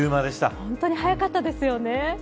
本当に早かったですよね。